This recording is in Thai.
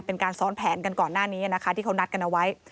เป็นการซ้อนแผนกันก่อนหน้านี้นะคะที่เขานัดกันเอาไว้